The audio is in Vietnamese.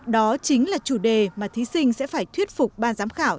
đó chính là chủ đề mà thí sinh sẽ phải thuyết phục ban giám khảo